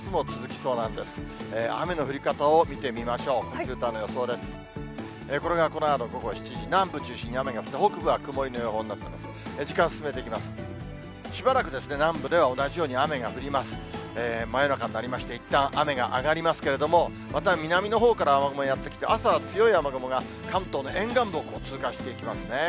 真夜中になりまして、いったん雨が上がりますけれども、また南のほうから雨雲やって来て、朝は強い雨雲が関東の沿岸部を通過していきますね。